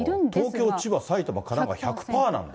東京、千葉、埼玉、神奈川、１００パーなんだ。